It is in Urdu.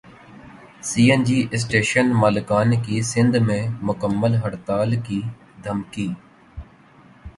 سی این جی اسٹیشن مالکان کی سندھ میں مکمل ہڑتال کی دھمکی